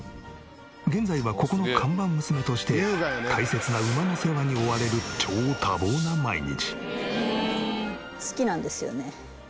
現在はここの看板娘として大切な馬の世話に追われる超多忙な毎日。